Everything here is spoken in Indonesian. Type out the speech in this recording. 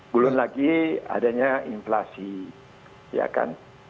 belum lagi adanya inflasi ya kan